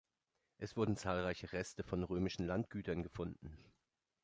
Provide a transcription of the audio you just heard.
Es wurden zahlreiche Reste von römischen Landgütern gefunden.